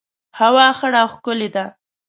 هوا خړه او ښکلي ده